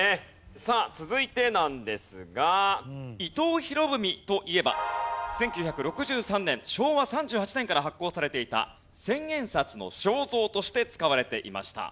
さあ続いてなんですが伊藤博文といえば１９６３年昭和３８年から発行されていた千円札の肖像として使われていました。